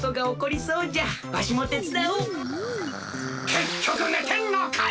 けっきょくねてんのかい！